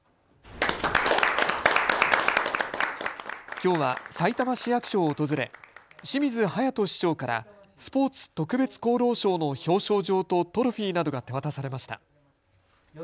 きょうはさいたま市役所を訪れ清水勇人市長からスポーツ特別功労賞の表彰状とトロフィーなどが手渡されました。